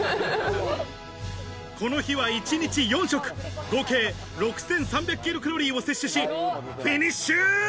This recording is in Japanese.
この日は一日４食、合計６３００ｋｃａｌを摂取し、フィニッシュ。